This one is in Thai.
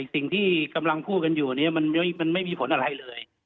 สิ่งที่กำลังพูดกันอยู่มันไม่มีผลอะไรเลย